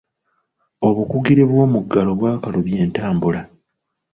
Obukugire bw'omuggalo bwakalubya entambula.